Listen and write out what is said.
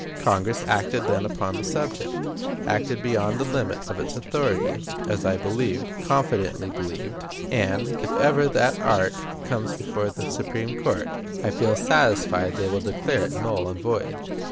Congress acted then upon the subject acted beyond the limit of its authority, as I believed, confidently believed; and, if ever that act comes before the Supreme Court, I feel satisfied they will declare it null and void.